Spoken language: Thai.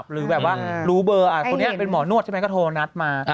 หรือแบบว่ารู้เบอร์คนนี้เป็นหมอนวดใช่ไหมก็โทรนัดมา